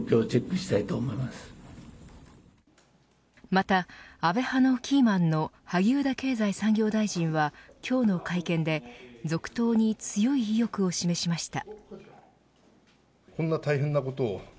また、安倍派のキーマンの萩生田経済産業大臣は今日の会見で、続投に強い意欲を示しました。